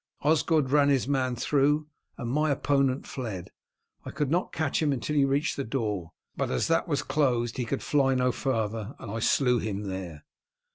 Osgod ran his man through, and my opponent fled. I could not catch him until he reached the door, but as that was closed he could fly no farther, and I slew him there."